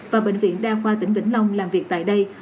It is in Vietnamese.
và bệnh viện đa khoa tỉnh vĩnh long làm việc tại đây